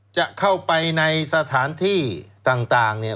จะเข้าไปในสถานที่ต่างเนี่ย